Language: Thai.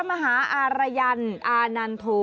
มหาอารยันต์อานันโท